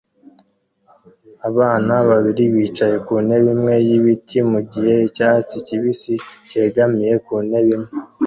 Abana babiri bicaye ku ntebe imwe y’ibiti mu gihe icyatsi kibisi cyegamiye ku ntebe imwe